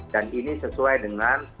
dan ini sesuai dengan